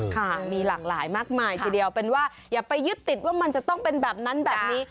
ค่ะมีหลากหลายมากมายทีเดียวเป็นว่าอย่าไปยึดติดว่ามันจะต้องเป็นแบบนั้นแบบนี้